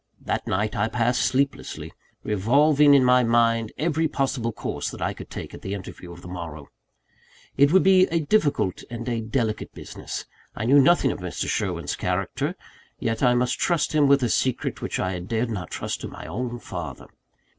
That night I passed sleeplessly, revolving in my mind every possible course that I could take at the interview of the morrow. It would be a difficult and a delicate business. I knew nothing of Mr. Sherwin's character; yet I must trust him with a secret which I dared not trust to my own father.